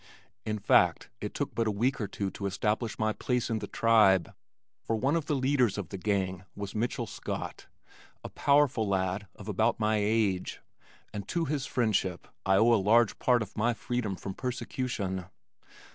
In fact it took but a week or two to establish my place in the tribe for one of the leaders of the gang was Mitchell Scott, a powerful lad of about my own age, and to his friendship I owe a large part of my freedom from persecution.